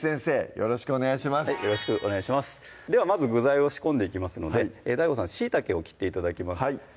よろしくお願いしますでは具材を仕込んでいきますのでＤＡＩＧＯさんしいたけを切って頂きます